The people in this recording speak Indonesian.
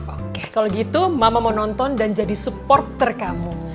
oke kalau gitu mama mau nonton dan jadi supporter kamu